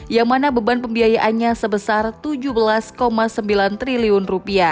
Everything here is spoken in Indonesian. yang mana beban pembiayaannya sebesar rp tujuh belas sembilan triliun